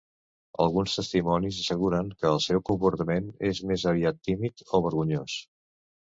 Alguns testimonis asseguren que el seu comportament és més aviat tímid o vergonyós.